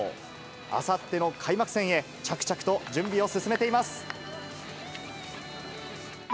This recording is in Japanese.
あさっての開幕戦へ、着々と準備を進めています。